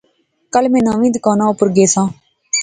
کل میں نویں دکاناں اوپر گیساں